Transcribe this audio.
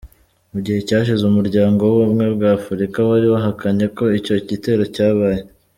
Mu gihe cyashize umuryango w'ubumwe bw'Afrika wari wahakanye ko icyo gitero cyabaye.